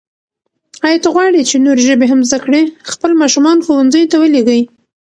آیا ته غواړې چې نورې ژبې هم زده کړې؟ خپل ماشومان ښوونځیو ته ولېږئ.